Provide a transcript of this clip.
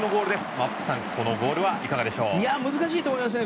松木さん、このゴールはいかがでしょう？